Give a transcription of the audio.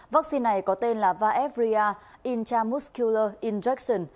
vaccine này có tên là vaevria intramuscular injection